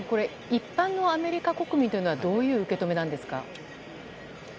一般のアメリカ国民というのはどういう受け止めなんでしょうか。